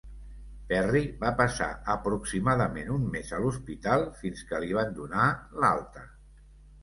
Perry va passar aproximadament un mes a l'hospital fins que li van donar l'alta.